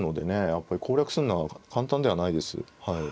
やっぱり攻略すんのは簡単ではないです。